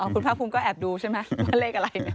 คุณภาคภูมิก็แอบดูใช่ไหมว่าเลขอะไร